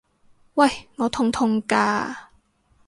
喂！我痛痛㗎！